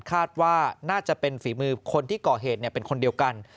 คาดว่าน่าจะเป็นฝีมือคนที่ก่อเหตุเป็นคนเดียวกัน